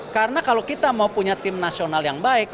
karena kalau kita mau punya tim nasional yang baik